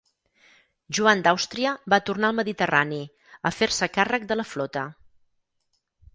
Joan d'Àustria va tornar al Mediterrani, a fer-se càrrec de la flota.